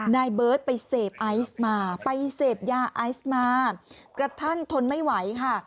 นายเบิร์ตไปเสพไอซ์มาไปเสพยาไอซ์มากระทั่งทนไม่ไหวค่ะ